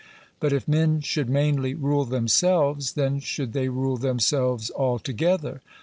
But if men should mainly rule themselves, then should they rule themselves altogether.